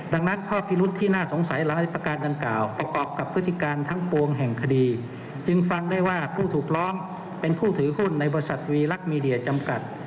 ดังนั้นข้อพิรุษที่น่าสงสัยหลายประการดังกล่าวประกอบกับพฤติการทั้งปวงแห่งคดีจึงฟังได้ว่าผู้ถูกร้องเป็นผู้ถือหุ้นในบริษัทวีลักษณ์มีเดียจำกัด